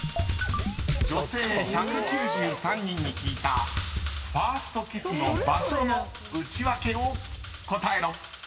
［女性１９３人に聞いたファーストキスの場所のウチワケを答えろ］